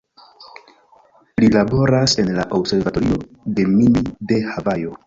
Li laboras en la Observatorio Gemini de Havajo.